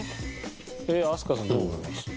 飛鳥さんどう思います？